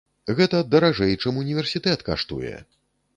Гэта даражэй, чым універсітэт каштуе.